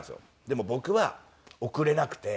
でも僕は贈れなくて。